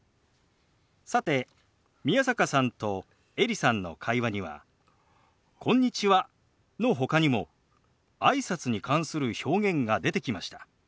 さて宮坂さんとエリさんの会話には「こんにちは」のほかにもあいさつに関する表現が出てきました。